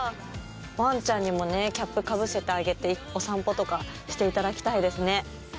ワンちゃんにもねキャップかぶせてあげてお散歩とかしていただきたいですね。